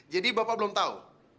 jadi bapak belum tahu